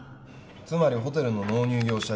つまりホテルの納入業者いじめ。